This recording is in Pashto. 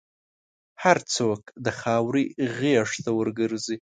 هر څوک د خاورې غېږ ته ورګرځي.